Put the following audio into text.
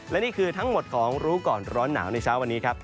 และนี่คือทั้งหมดของรู้ก่อนร้อนหนาวในเช้าวันนี้ครับ